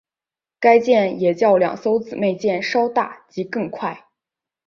该舰也较两艘姊妹舰稍大及更快。